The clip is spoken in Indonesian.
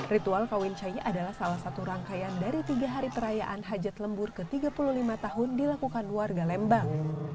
ritual kawin cai adalah salah satu rangkaian dari tiga hari perayaan hajat lembur ke tiga puluh lima tahun dilakukan warga lembang